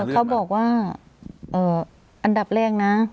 เขาบอกว่าอันดับแรกนะ